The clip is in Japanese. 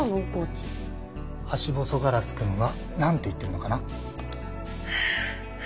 ハシボソガラスくんはなんて言ってるのかな？